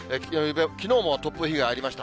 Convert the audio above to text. きのうも突風被害ありました。